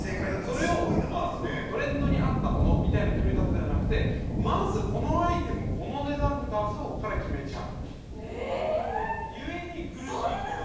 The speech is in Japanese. それを、トレンドに合ったものみたいな決め方ではなくてまず、このアイテムをこの値段で出そうから決めちゃう。